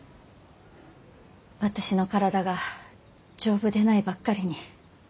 私の体が丈夫でないばっかりに。